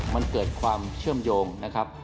มันเกิดความเชื่อมโยงนะครับ